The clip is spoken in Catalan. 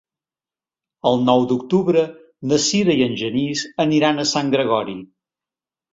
El nou d'octubre na Sira i en Genís aniran a Sant Gregori.